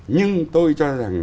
nhưng tôi cho rằng